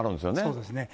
そうですね。